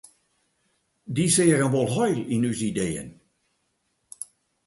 Dy seagen wol heil yn ús ideeën.